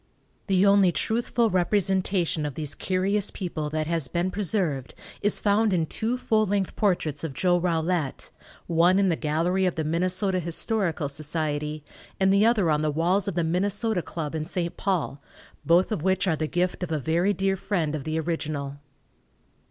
The only truthful representation of these curious people that has been preserved is found in two full length portraits of Joe Rollette, one in the gallery of the Minnesota Historical Society and the other on the walls of the Minnesota Club, in St. Paul, both of which are the gift of a very dear friend of the original.